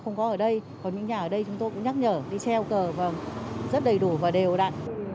ở đây còn những nhà ở đây chúng tôi cũng nhắc nhở đi treo cờ và rất đầy đủ và đều đặn